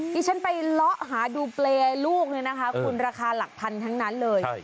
ที่ฉันไปเลาะหาดูเปรย์ลูกเนี่ยนะคะคุณราคาหลักพันทั้งนั้นเลย